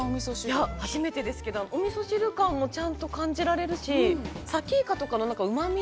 ◆いや、初めてですけど、おみそ汁感もちゃんと感じられるし、さきイカとかのうまみ？